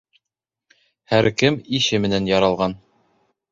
Һәр кем ише менән яралған.